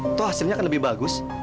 itu hasilnya akan lebih bagus